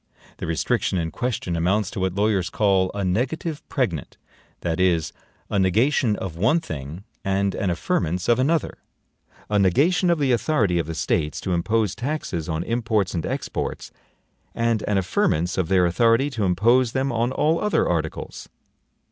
The restriction in question amounts to what lawyers call a NEGATIVE PREGNANT that is, a NEGATION of one thing, and an AFFIRMANCE of another; a negation of the authority of the States to impose taxes on imports and exports, and an affirmance of their authority to impose them on all other articles.